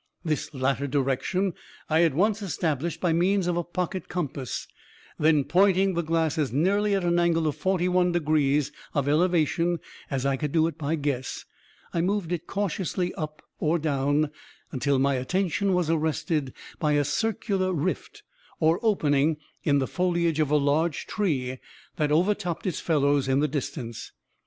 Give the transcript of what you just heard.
This latter direction I at once established by means of a pocket compass; then, pointing the glass as nearly at an angle of forty one degrees of elevation as I could do it by guess, I moved it cautiously up or down, until my attention was arrested by a circular rift or opening in the foliage of a large tree that overtopped its fellows in the distance.